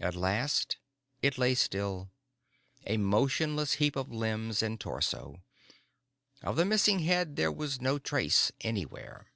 At last it lay still, a motionless heap of limbs and torso. Of the missing head there was no trace anywhere.